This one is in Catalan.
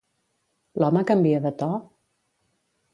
L'home canvia de to?